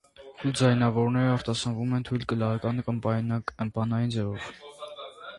Խուլ ձայնավորները արտասանվում են թույլ կլլական ըմպանային ձևով։